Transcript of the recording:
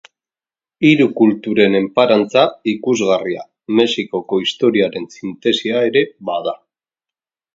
Hiru Kulturen enparantza ikusgarria Mexikoko historiaren sintesia ere bada.